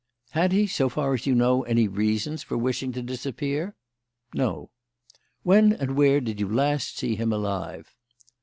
"Had he, so far as you know, any reasons for wishing to disappear?" "No." "When and where did you last see him alive?"